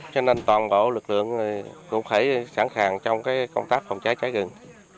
cho nên toàn bộ lực lượng cũng phải sẵn sàng trong công tác phòng cháy cháy rừng